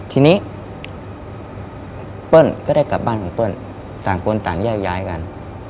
ทีนี้เปิ้ลก็ได้กลับบ้านของเปิ้ลต่างคนต่างแยกย้ายกัน